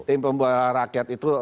tim pembela rakyat itu